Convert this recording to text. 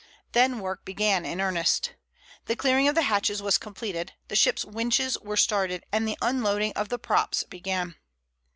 Then work began in earnest. The clearing of the hatches was completed, the ship's winches were started, and the unloading of the props began.